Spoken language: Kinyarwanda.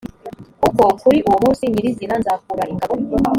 kuko kuri uwo munsi nyir izina nzakura ingabo